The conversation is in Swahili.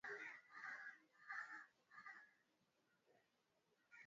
yakijaribu kupata udhibiti wa maeneo ambayo yaliwahi kuwa na amani